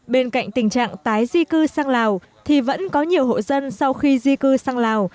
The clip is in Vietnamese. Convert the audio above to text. bên cạnh tình trạng tái di cư sang lào thì vẫn có nhiều hộ dân sau khi di cư sang lào